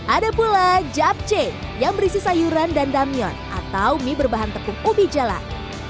ada pula japce yang berisi sayuran dan damion atau mie berbahan tepung ubi jalan